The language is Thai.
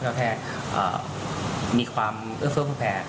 ก็แค่มีความเอื้อเฟิร์ดแพ้